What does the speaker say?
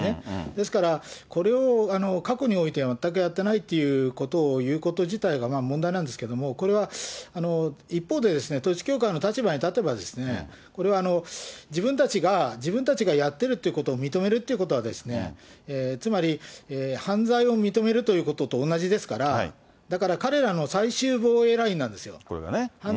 ですから、これを過去においてまったくやってないということを言うこと自体が問題なんですけれども、これは一方で、統一教会の立場に立てば、これは自分たちが、自分たちがやっているということを認めるということは、つまり犯罪を認めるということと同じですから、だから彼らの最終防衛ラインなんですよ。